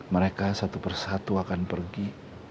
mereka satu persatu akan pergi